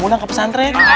pada pulang ke pesantren